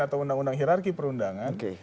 atau undang undang hirarki perundangan